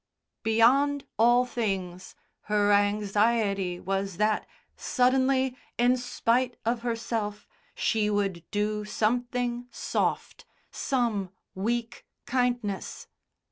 Beyond all things, her anxiety was that, suddenly, in spite of herself, she would do something "soft," some weak kindness.